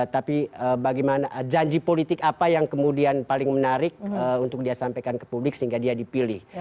tapi bagaimana janji politik apa yang kemudian paling menarik untuk dia sampaikan ke publik sehingga dia dipilih